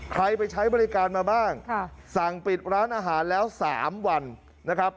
ไปใช้บริการมาบ้างสั่งปิดร้านอาหารแล้ว๓วันนะครับ